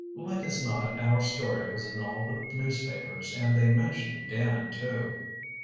"Like as not our story was in all the newspapers, and they mentioned Dan too."